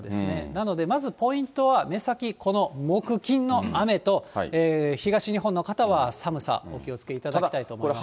なので、まずポイントは、目先、この木、金の雨と、東日本の方は寒さ、お気をつけいただきたいと思います。